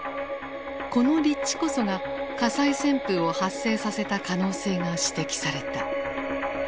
この立地こそが火災旋風を発生させた可能性が指摘された。